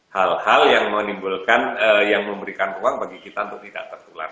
hal hal yang menimbulkan yang memberikan ruang bagi kita untuk tidak tertular